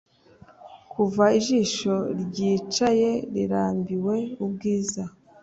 Kuva ijisho ryicaye rirambiwe ubwiza